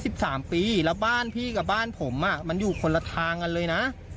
สิบสามปีแล้วบ้านพี่กับบ้านผมอ่ะมันอยู่คนละทางกันเลยนะ